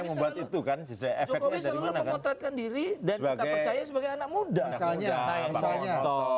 membuat itu kan efeknya dimana kan diri dan sebagai anak muda misalnya misalnya